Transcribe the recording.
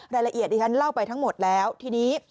รายละเอียดอย่างนั้นเล่าไปทั้งหมดแล้วทีนี้